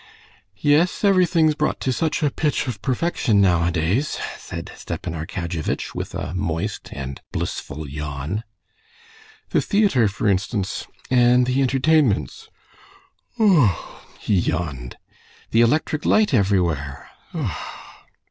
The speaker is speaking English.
"Yes, everything's brought to such a pitch of perfection nowadays," said Stepan Arkadyevitch, with a moist and blissful yawn. "The theater, for instance, and the entertainments ... a—a—a!" he yawned. "The electric light everywhere